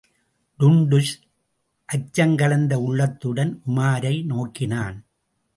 டுன்டுஷ் அச்சங்கலந்த உள்ளத்துடன் உமாரை நோக்கினான்.